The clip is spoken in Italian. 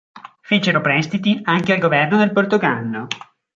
Fecero prestiti anche al governo del Portogallo.